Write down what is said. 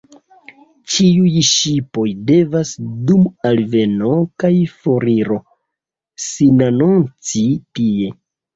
Ĉiuj ŝipoj devas dum alveno kaj foriro sinanonci tie.